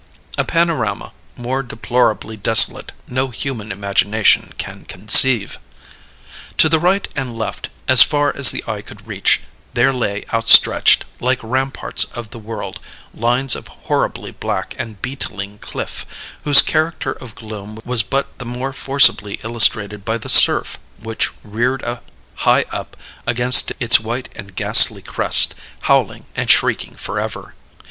A panorama more deplorably desolate no human imagination can conceive. To the right and left, as far as the eye could reach, there lay outstretched, like ramparts of the world, lines of horribly black and beetling cliff, whose character of gloom was but the more forcibly illustrated by the surf which reared high up against it its white and ghastly crest, howling and shrieking forever.